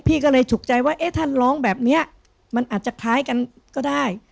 พี่ก็เลยฉุกใจว่าเอ๊ะถ้าร้องแบบนี้มันอาจจะคล้ายกันก็ได้